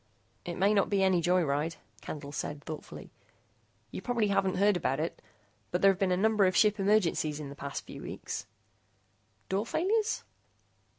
"It may not be any joy ride," Candle said thoughtfully. "You probably haven't heard about it, but there've been a number of ship emergencies in the past few weeks." "Door failures?"